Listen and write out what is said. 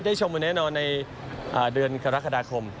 ได้ชมแน่นอนในเดือนคาราคดาคม